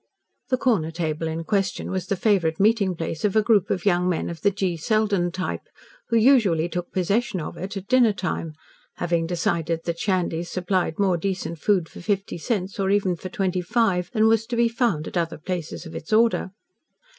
The corner table in question was the favourite meeting place of a group of young men of the G. Selden type, who usually took possession of it at dinner time having decided that Shandy's supplied more decent food for fifty cents, or even for twenty five, than was to be found at other places of its order.